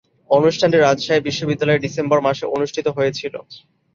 অনুষ্ঠানটি রাজশাহী বিশ্বনিদ্যালয়ে ডিসেম্বর মাসে অনুষ্ঠিত হয়েছিলো।